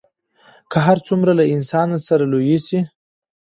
که هر څومره له انسانه سره لوی سي